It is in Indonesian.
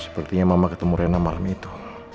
sepertinya mama ketemu rena malem itu